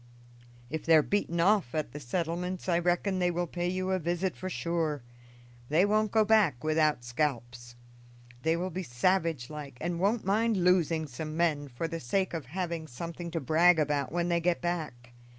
If they are beaten off at the settlements I reckon they will pay you a visit for sure; they won't go back without scalps. They will be savage like, and won't mind losing some men for the sake of having something to brag about when they get back.